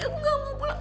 aku gak mau pulang